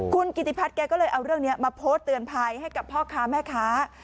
คุณกิติพัฒน์แกก็เลยเอาเรื่องนี้มาโพสต์เตือนภัยให้กับพ่อค้าแม่ค้า